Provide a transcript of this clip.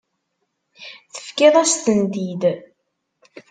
Tefkiḍ-as-tent-id.